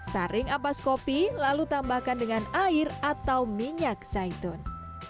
saring ampas kopi lalu tambahkan dengan air atau minyak zaitun